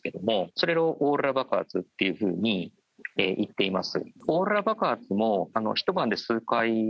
それをオーロラ爆発というふうに言っています。